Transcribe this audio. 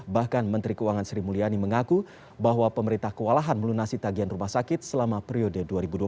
bahkan menteri keuangan sri mulyani mengaku bahwa pemerintah kewalahan melunasi tagian rumah sakit selama periode dua ribu dua puluh